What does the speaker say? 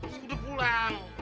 aku udah pulang